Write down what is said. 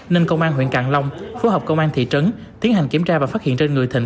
nên công an huyện càng long phối hợp công an thị trấn tiến hành kiểm tra và phát hiện trên người thịnh